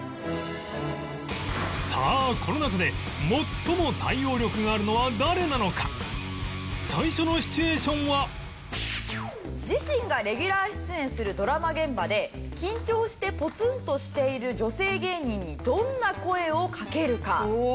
さあこの中で最初のシチュエーションは自身がレギュラー出演するドラマ現場で緊張してポツンとしている女性芸人にどんな声をかけるか。